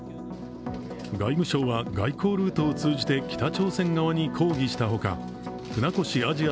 外務省は外交ルートを通じて北朝鮮側に抗議したほか船越アジア